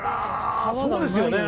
そうですよね。